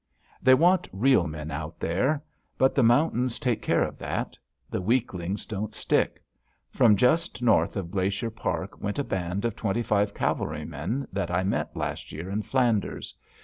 They want real men out there. But the mountains take care of that. The weaklings don't stick. From just north of Glacier Park went a band of twenty five cavalrymen that I met last year in Flanders.